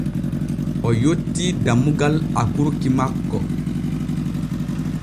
O yottii dammugal akurki makko.